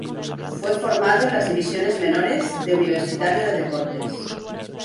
Fue formado en las divisiones menores de Universitario de Deportes.